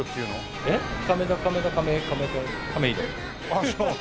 あっそう。